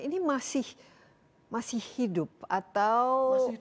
ini masih hidup atau